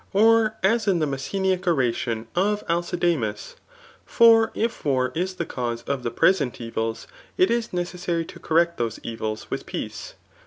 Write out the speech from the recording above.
Or as in the Messeniac oration [of Alcidamas j] for if war is the cause of the present evils, it is necessary to correct those evils with peace.